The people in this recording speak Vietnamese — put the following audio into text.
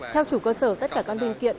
theo chủ cơ sở tất cả các linh kiện